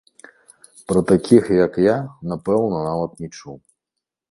А пра такіх, як я, напэўна, нават не чуў.